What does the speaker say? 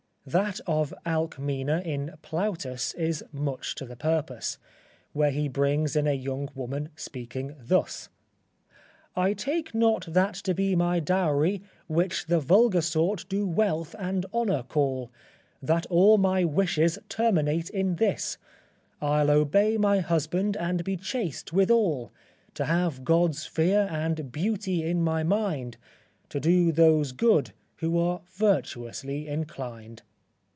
That of Alcmena, in Plautus, is much to the purpose, where he brings in a young woman speaking thus: "I take not that to be my dowry, which The vulgar sort do wealth and honour call; That all my wishes terminate in this: I'll obey my husband and be chaste withall; To have God's fear, and beauty in my mind, To do those good who are virtuously inclined."